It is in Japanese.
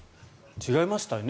違いましたよね。